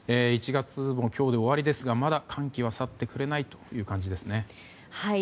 １月も今日で終わりですがまだ寒気は去ってくれない感じですね。